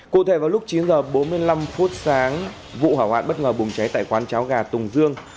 cụ thể vào lúc chín h bốn mươi năm phút sáng vụ hỏa hoạn bất ngờ bùng cháy tại quán cháo gà tùng dương